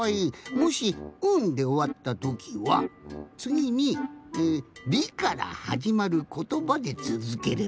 もし「ん」でおわったときはつぎに「り」からはじまることばでつづければいいんじゃない？